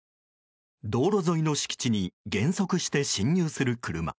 道路上の敷地に減速して進入する車。